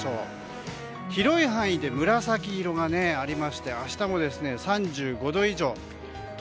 広い範囲で紫色がありまして明日も３５度以上。